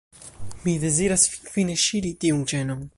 Mi deziras finfine ŝiri tiun ĉenon.